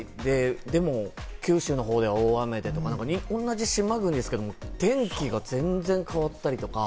でも、九州の方では大雨でとか、同じ島国ですけれども、全然変わったりとか。